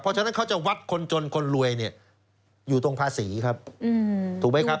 เพราะฉะนั้นเขาจะวัดคนจนคนรวยเนี่ยอยู่ตรงภาษีครับถูกไหมครับ